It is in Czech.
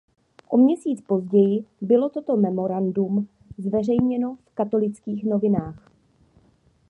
O měsíc později bylo toto memorandum zveřejněno v Katolických novinách.